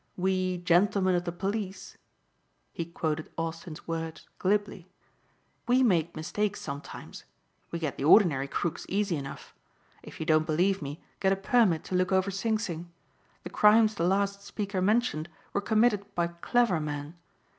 We, 'gentlemen of the police,'" he quoted Austin's words glibly, "we make mistakes sometimes. We get the ordinary crook easy enough. If you don't believe me get a permit to look over Sing Sing. The crimes the last speaker mentioned were committed by clever men.